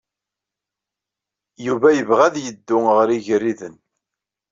Yuba yebɣa ad yeddu ɣer Igariden.